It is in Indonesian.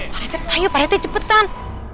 pak reti ayo pak reti cepetan